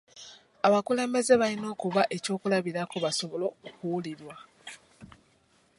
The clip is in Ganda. Abakulembeze balina okuba eky'okulabirako basobole okuwulirwa.